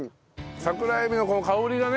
桜えびのこの香りがね。